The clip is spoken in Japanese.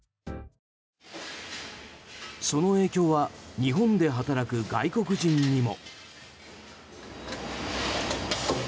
その影響は日本で働く外国人にも。